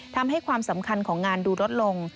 ทำให้ความสำคัญของงานดูลดลง